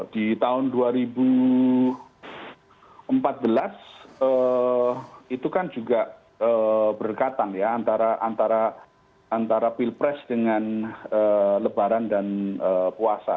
di tahun dua ribu empat belas itu kan juga berdekatan ya antara pilpres dengan lebaran dan puasa